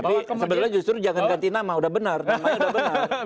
tapi sebenarnya justru jangan ganti nama udah benar nama udah benar